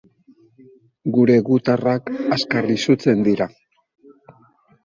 Gure gutarrak azkar izutzen dira?